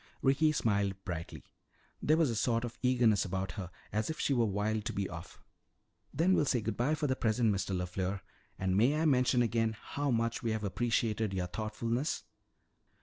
Ricky smiled brightly. There was a sort of eagerness about her, as if she were wild to be off. "Then we'll say good bye for the present, Mr. LeFleur. And may I mention again how much we have appreciated your thoughtfulness?"